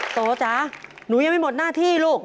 โตจ๋าหนูยังไม่หมดหน้าที่ลูก